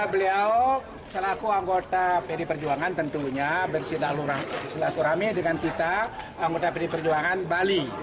beliau selaku anggota pdi perjuangan tentunya bersilaturahmi dengan kita anggota pdi perjuangan bali